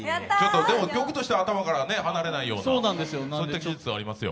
でも曲としては頭から離れないような、そういった事実はありますよ。